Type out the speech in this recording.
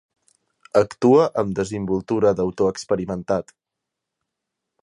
Actua amb desimboltura d'autor experimentat.